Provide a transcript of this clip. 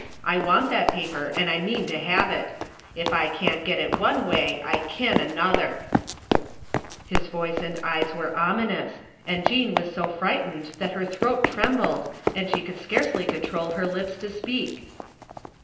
I want that paper and I mean to have it. Ef I can't get it one way I kin another !" His voice and eyes were ominous, and Jean was so fright ened that her throat trembled and she could scarcely control her lips to speak.